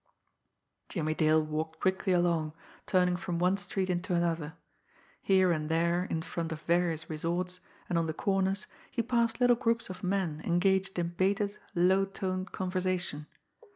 Jimmie Dale walked quickly along, turning from one street into another. Here and there, in front of various resorts, and on the corners, he passed little groups of men engaged in bated, low toned conversation.